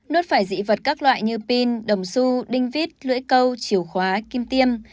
nuốt phải dị vật các loại như pin đồng su đinh vít lưỡi câu chiều khóa kim tiêm